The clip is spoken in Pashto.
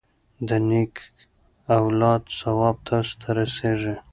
د نیک اولاد ثواب تاسو ته رسیږي.